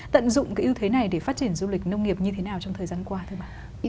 tận dụng cái ưu thế này để phát triển du lịch nông nghiệp như thế nào trong thời gian qua thưa bà